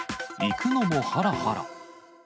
行くのもはらはら。